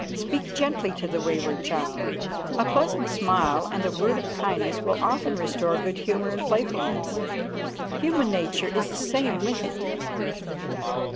Speak gently to the wayward child. A pleasant smile and a word of kindness will often restore good humor and playfulness. Human nature is the same with it.